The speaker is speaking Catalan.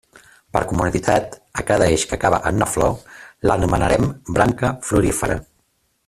Per comoditat a cada eix que acaba en una flor l'anomenarem branca florífera.